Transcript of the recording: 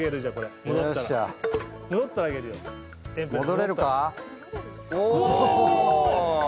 戻れるか？